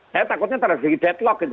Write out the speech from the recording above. saya takutnya terjadi deadlock gitu